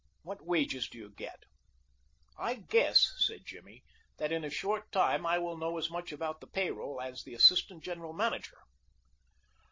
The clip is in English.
What wages do you get?" "I guess," said Jimmy, "that in a short time I will know as much about the payroll as the assistant general manager."